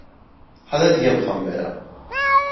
حالا دیگه میخوام برم.